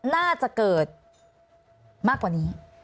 น่าจะเกิดมากกว่านี้